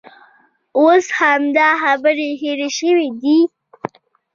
اوس همدا خبرې هېرې شوې دي.